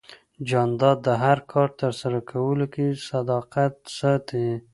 جانداد د هر کار ترسره کولو کې صداقت ساتي.